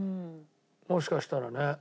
もしかしたらね。